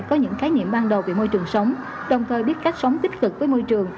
có những khái niệm ban đầu về môi trường sống đồng thời biết cách sống tích cực với môi trường